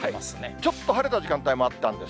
ちょっと晴れた時間帯もあったんです。